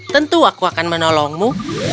tentu aku akan menolongmu